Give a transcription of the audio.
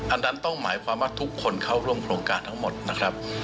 อันนั้นต้องหมายความว่าทุกคนเข้าร่วมโครงการทั้งหมดนะครับ